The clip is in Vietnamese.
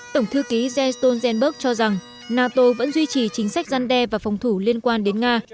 tổng thư ký jens stoltenberg cho rằng nato vẫn duy trì chính sách gian đe và phòng thủ liên quan đến nga